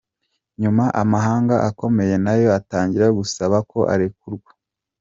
Nyuma amahanga akomeye nayo atangira gusaba ko arekurwa.